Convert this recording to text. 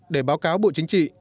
để báo cáo bộ chính trị